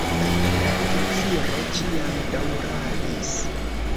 La viciro ĉiam daŭradis.